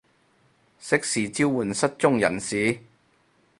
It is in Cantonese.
適時召喚失蹤人士